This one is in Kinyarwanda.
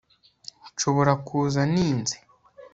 nshobora kuza ninze